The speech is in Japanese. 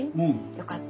よかった。